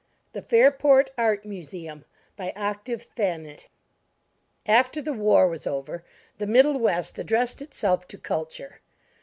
THE FAIRPORT ART MUSEUM BY OCTAVE THANET After the war was over, the Middle West addressed itself to Culture.